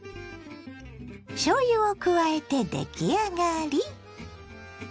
しょうゆを加えて出来上がり。